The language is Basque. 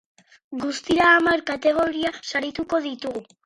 Guztira, hamar kategoria sarituko ditugu.